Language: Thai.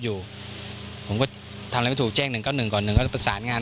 อยู่ผมก็ทำอะไรไม่ถูกแจ้งหนึ่งเก้าหนึ่งก่อนหนึ่งก็ประสานงาน